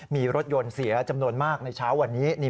มีรถยนต์เสียจำนวนมากในเช้าวันนี้